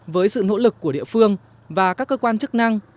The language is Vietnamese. với sự nỗ lực của địa phương và các cơ quan chức năng